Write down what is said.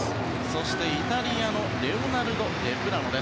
そしてイタリアのレオナルド・デプラノ。